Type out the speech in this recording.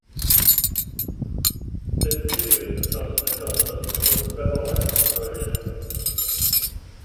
This new division of Johnson and Johnson was called the Revolite Corporation.